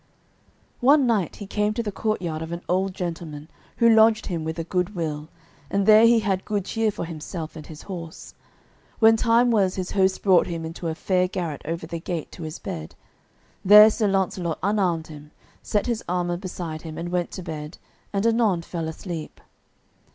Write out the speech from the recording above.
One night he came to the courtyard of an old gentleman, who lodged him with a good will, and there he had good cheer for himself and his horse. When time was his host brought him into a fair garret over the gate to his bed. There Sir Launcelot unarmed him, set his armour beside him, and went to bed, and anon fell asleep.